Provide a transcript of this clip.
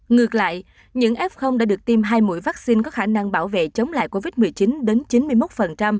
ngược lại những f đã được tiêm hai mũi vaccine có khả năng bảo vệ chống lại covid một mươi chín đến chín mươi một